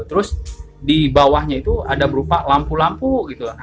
terus di bawahnya itu ada berupa lampu lampu gitu